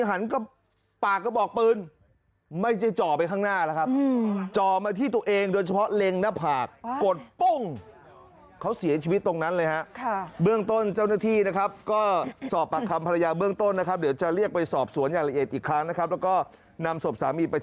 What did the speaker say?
อันนี้คือจุดตายเลยครับโอ้เรียบร้อยครับ